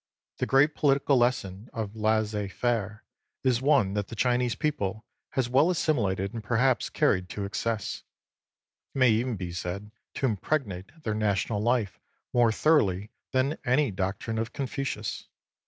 The great political lesson of laisser faire is one that the Chinese people has well assimilated and perhaps carried to excess ; it may even be said to impregnate their national life more thoroughly than any doctrine of Confucius.